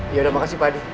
ya udah makasih pak adi